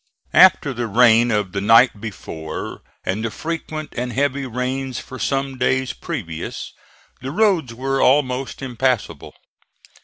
After the rain of the night before and the frequent and heavy rains for some days previous, the roads were almost impassable.